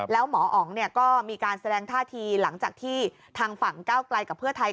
แล้วหมออ๋องก็มีการแสดงท่าทีหลังจากที่ทางฝั่งก้าวไกลกับเพื่อไทย